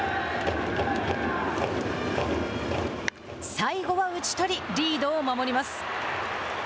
最後は打ち取りリードを守ります。